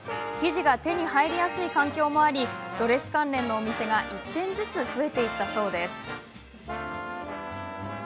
生地が手に入りやすい環境もありドレス関連のお店が１店ずつ増えていったそうです。